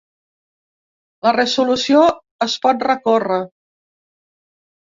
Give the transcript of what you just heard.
La resolució es pot recórrer.